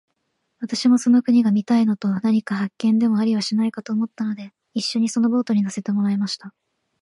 私もその国が見たいのと、何か発見でもありはしないかと思ったので、一しょにそのボートに乗せてもらいました。